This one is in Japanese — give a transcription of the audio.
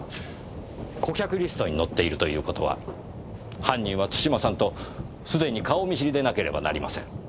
顧客リストに載っているという事は犯人は津島さんと既に顔見知りでなければなりません。